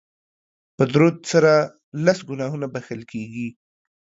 په درود سره لس ګناهونه بښل کیږي